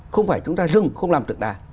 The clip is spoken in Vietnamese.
không phải chúng ta dừng không làm tượng đài